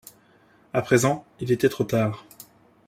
À présent, il était trop tard.